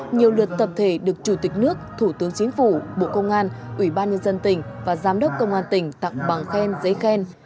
nhiều lượt tập thể được chủ tịch nước thủ tướng chính phủ bộ công an ubnd tỉnh và giám đốc công an tỉnh tặng bằng khen giấy khen